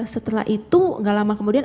setelah itu gak lama kemudian